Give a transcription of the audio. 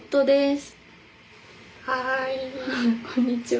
こんにちは。